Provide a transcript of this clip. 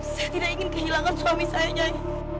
saya tidak ingin kehilangan suami saya